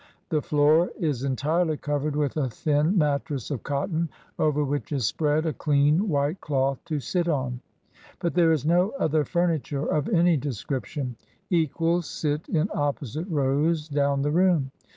The floor is entirely covered with a thin mattress of cotton, over which is spread a clean white cloth to sit on; but there is no other furniture of any description. Equals sit in opposite rows down the room.